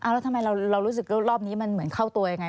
แล้วทำไมเรารู้สึกว่ารอบนี้มันเหมือนเข้าตัวยังไง